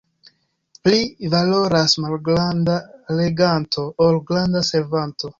Pli valoras malgranda reganto, ol granda servanto.